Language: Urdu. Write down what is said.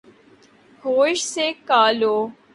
ہوش سے کا لو